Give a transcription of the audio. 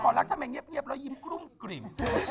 อ๋อเขารักฉันแม่งเงียบแล้วยิ้มกลุ้มกลิ่ม